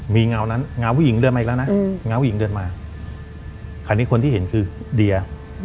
มีเงาผู้หญิงเดินมาอีกแล้วนะเครื่องควรที่เห็นคือเดีย